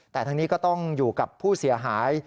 แต่ทั้งนี้ก็ต้องอยู่กับผู้เสียหาย